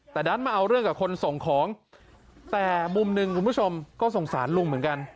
แต่ดันมาเอาเรื่องกับคนส่งของแต่มุมหนึ่งคุณผู้ชมก็สงสารลุงเหมือนกัน